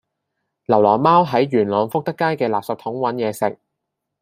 流浪貓喺元朗福德街嘅垃圾桶搵野食